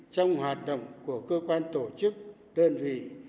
trong hoạt động của cơ quan tổ chức đơn vị